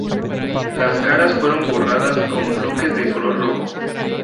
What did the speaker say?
Las caras fueron borradas con bloques de color rojo.